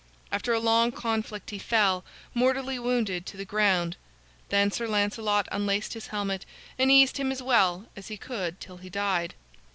After a long conflict he fell, mortally wounded, to the ground. Then Sir Lancelot unlaced his helmet and eased him as well as he could till he died.